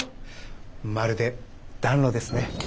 まるで暖炉ですね。